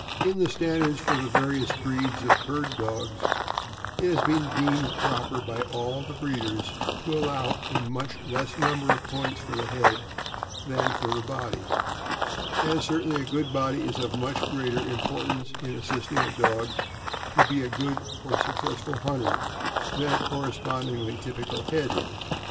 In the standards for the various breeds of bird dogs it has been deemed proper by all the breeders to allow a much less number of points for the head than for the body, as certainly a good body is of much greater im portance in assisting a dog to be a good or successful hunter than a correspondingly typical head is.